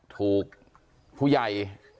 ถูกผู้ใหญ่